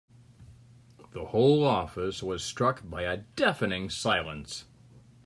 The whole office was struck by a deafening silence.